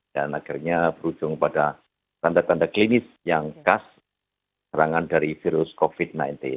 dan akhirnya berujung pada tanda tanda klinis yang khas serangan dari virus covid sembilan belas